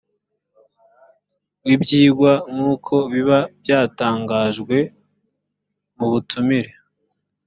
w ibyigwa nk uko biba byatangajwe mu butumire